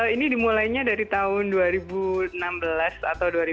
ini dimulainya dari tahun dua ribu enam belas atau dua ribu dua